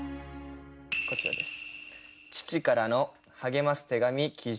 こちらです。